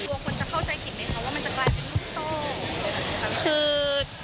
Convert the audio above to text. กลัวคนจะเข้าใจผิดไหมคะว่ามันจะกลายเป็นลูกโต้